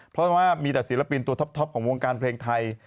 เพราะว่ามีแต่ศิลปินตัวท็อปของวงการเพลงไทย